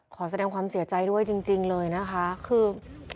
ขอแสดงความเสียใจด้วยจริงเลยนะคะคือ